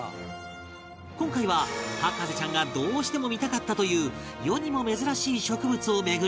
今回は博士ちゃんがどうしても見たかったという世にも珍しい植物を巡り